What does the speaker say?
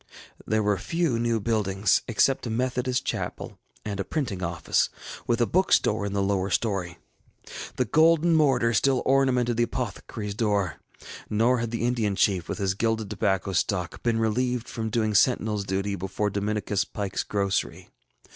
There were few new buildings, except a Methodist chapel and a printing office, with a bookstore in the lower story. The golden mortar still ornamented the apothecaryŌĆÖs door, nor had the Indian Chief, with his gilded tobacco stalk, been relieved from doing sentinelŌĆÖs duty before Dominicus PikeŌĆÖs grocery.